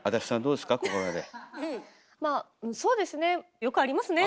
うんそうですね。